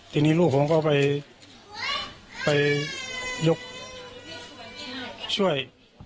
ทีนี้ลูกผมก็ไปยกช่วย